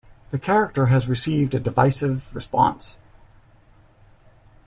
The character has received a divisive response.